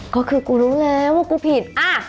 ก็คือกูรู้แล้วว่ากูผิด